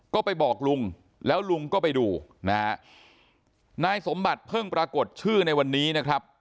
ก็ไปบอกลุงแล้วลุงก็ไปดูนะฮะนายสมบัติเพิ่งปรากฏชื่อในวันนี้นะครับ